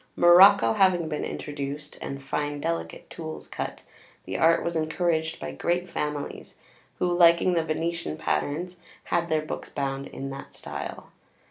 Morocco having been introduced, and fine delicate tools cut, the art was encouraged by great families, who, liking the Venetian patterns, had their books bound in that style.